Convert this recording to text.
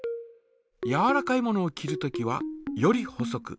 やわらかいものを切るときはより細く。